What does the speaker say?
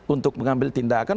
untuk mengambil tindakan